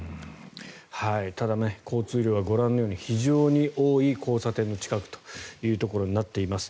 ただ、交通量はご覧のように非常に多い交差点の近くとなっています。